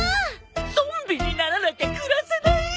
ゾンビにならなきゃ暮らせない！